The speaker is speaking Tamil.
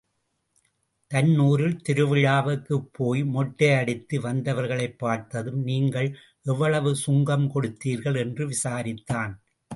தன் ஊரில் திருவிழாவுக்குப் போய் மொட்டையடித்து வந்தவர்களைப் பார்த்ததும், நீங்கள் எவ்வளவு சுங்கம் கொடுத்தீர்கள்? என்று விசாரித்தான்.